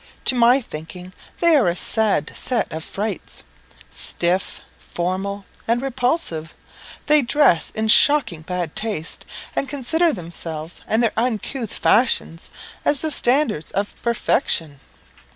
To my thinking, they are a sad set of frights. Stiff, formal, and repulsive, they dress in shocking bad taste, and consider themselves and their uncouth fashions as the standards of perfection."